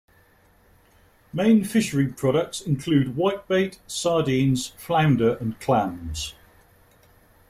Main fishery products include whitebait, sardines, flounder and clams.